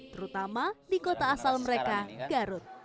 terutama di kota asal mereka garut